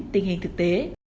tình hình thực tế